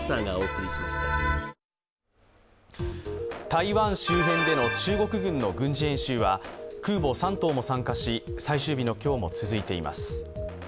台湾周辺での中国軍の軍事演習は空母「山東」も参加し、最終日の今日も続いています。